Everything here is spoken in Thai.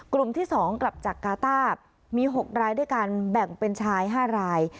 กลุ่มที่๒กลับจากกาต้ามี๖รายด้วยการแบ่งเป็นชาย๕ราย